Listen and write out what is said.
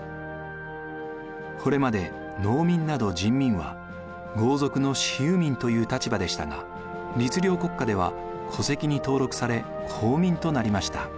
これまで農民など人民は豪族の私有民という立場でしたが律令国家では戸籍に登録され公民となりました。